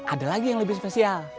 ada lagi yang lebih spesial